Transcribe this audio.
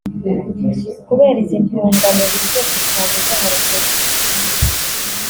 Kubera izi ntungamubiri zose twavuze haruguru